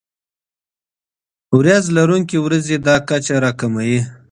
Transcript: وریځ لرونکي ورځې دا کچه راکموي.